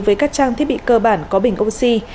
với các trang thiết bị cơ bản có bình oxy